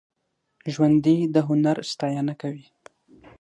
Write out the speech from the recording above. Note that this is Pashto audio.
ژوندي د هنر ستاینه کوي